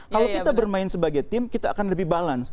kalau kita bermain sebagai tim kita akan lebih balance